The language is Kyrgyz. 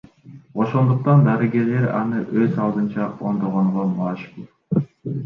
Ошондуктан дарыгерлер аны өз алдынча оңдогонго мажбур.